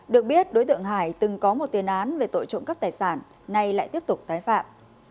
được biết đối tượng hải từng có một tiền án về tội trộm cắp tài sản nay lại tiếp tục tái phạm